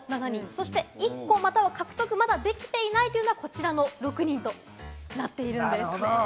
そして１個、または獲得まだできていないというのが、こちらの６人となっているんです。